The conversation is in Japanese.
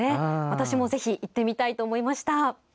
私もぜひ行ってみたいと思いました。